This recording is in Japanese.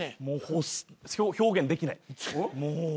もう表現できない。